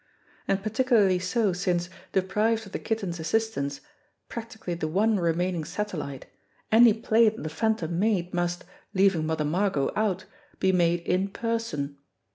And particularly so since, deprived of the Kitten's assistance, practically the one remaining satellite, any play that the Phantom made must, leaving Mother Margot out, be made in person.